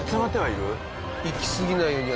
いきすぎないように。